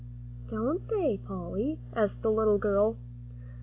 "Don't they, Polly?" asked the little girl.